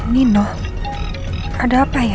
nino ada apa ya